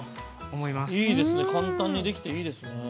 ◆いいですね、簡単にできていいですね。